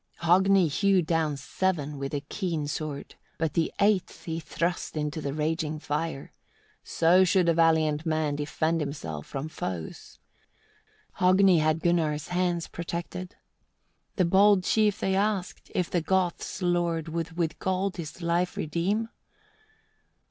19. Hogni hewed down seven, with the keen sword, but the eighth he thrust into the raging fire. So should a valiant man defend himself from foes. 20. Hogni had Gunnar's hands protected. The bold chief they asked, if the Goths' lord would with gold his life redeem?